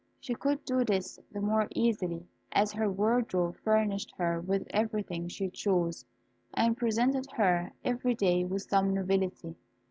She could do this the more easily, as her wardrobe furnished her with everything she chose, and presented her every day with some novelty.